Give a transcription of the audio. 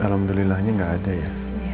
alhamdulillahnya gak ada ya